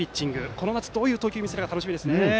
この夏、どういう投球を見せるか楽しみですね。